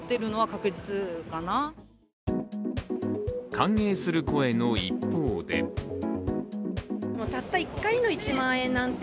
歓迎する声の一方で女性）